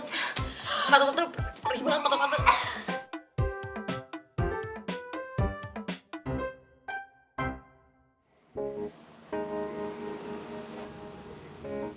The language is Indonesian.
mata mata perih banget